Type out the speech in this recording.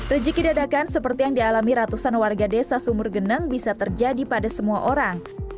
rejeki dadakan seperti yang dialami ratusan warga desa sumur geneng bisa terjadi pada semua orang